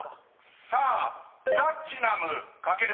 ［さあ「プラチナム」書ける方］